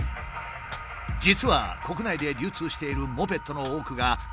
実は国内で流通しているモペットの多くが海外製。